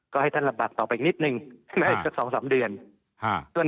ก็ให้ท่านระบัดต่อไปนิดหนึ่งใช่ไหมยังสักสองสามเดือนฮ่า